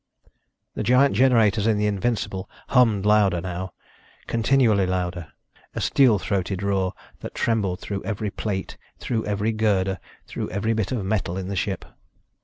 The giant generators in the Invincible hummed louder now, continually louder, a steel throated roar that trembled through every plate, through every girder, through every bit of metal in the ship.